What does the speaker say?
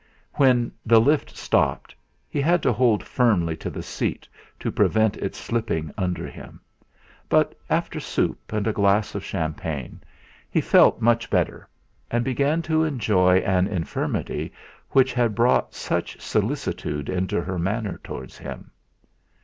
When the lift stopped he had to hold firmly to the seat to prevent its slipping under him; but after soup and a glass of champagne he felt much better, and began to enjoy an infirmity which had brought such solicitude into her manner towards him.